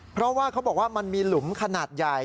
เพราะว่าเขาบอกว่ามันมีหลุมขนาดใหญ่